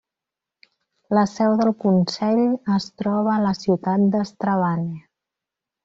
La seu del consell es troba a la ciutat de Strabane.